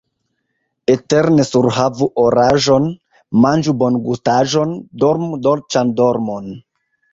Eterne surhavu oraĵon, manĝu bongustaĵon, dormu dolĉan dormon!